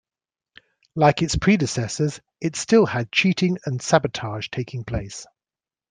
Like its predecessors, it still had cheating and sabotage taking place.